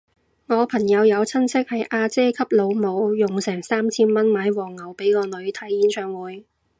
我朋友有親戚係阿姐級老母，用成三千蚊買黃牛俾個女睇演唱會